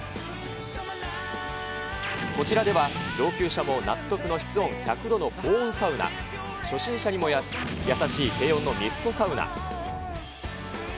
こちらでは上級者も納得の室温、１００度の高温サウナ、初心者にも優しい低温のミストサウナ。